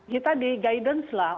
kita di guidance lah